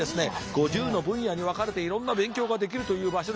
５０の分野に分かれていろんな勉強ができるという場所です。